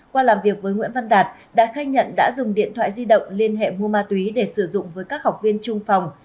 qua làm việc với nguyễn văn đạt đã khai nhận đã dùng điện thoại di động liên hệ mua ma túy để sử dụng với các học viên trung phòng